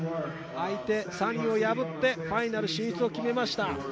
Ｓｕｎｎｙを破ってファイナル進出を決めました。